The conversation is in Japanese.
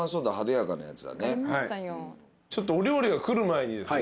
ちょっとお料理が来る前にですね